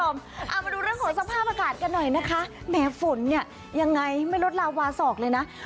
เอามาดูเรื่องของสภาพอากาศกันหน่อยนะคะแหมฝนเนี่ยยังไงไม่ลดลาวาสอกเลยนะ